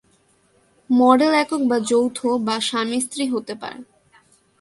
Model একক বা যৌথ/স্বামী-স্ত্রী হতে পারে।